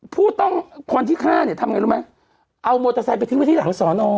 ผู้ต้องคนที่ฆ่าเนี่ยทำไงรู้ไหมเอามอเตอร์ไซค์ไปทิ้งไว้ที่หลังสอนอ